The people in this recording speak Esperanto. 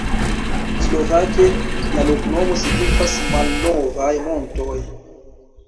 Slovake la loknomo signifas: malnovaj montoj.